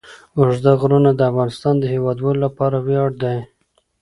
اوږده غرونه د افغانستان د هیوادوالو لپاره ویاړ دی.